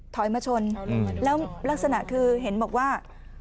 ถอยมาชนแล้วลักษณะคือเห็นบอกว่า